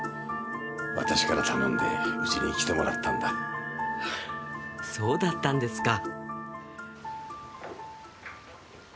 私から頼んでうちに来てもらったんだそうだったんですか